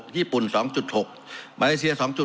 ญี่ปุ่น๒๖มาเลเซีย๒๐